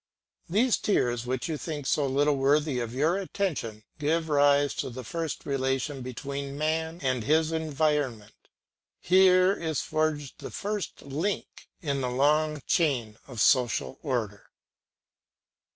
These tears, which you think so little worthy of your attention, give rise to the first relation between man and his environment; here is forged the first link in the long chain of social order.